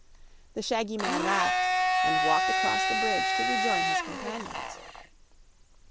The shaggy man laughed and walked across the bridge to rejoin his companions.